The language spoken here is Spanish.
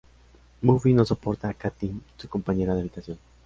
Buffy no soporta a Kathie, su compañera de habitación.